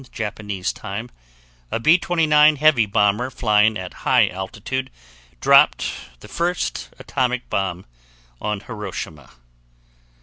Japanese time, a B 29 heavy bomber flying at high altitude dropped the first atomic bomb on Hiroshima.